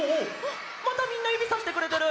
またみんなゆびさしてくれてる！